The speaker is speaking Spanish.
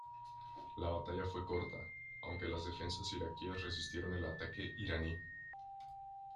La batalla fue corta, aunque las defensas iraquíes resistieron el ataque iraní.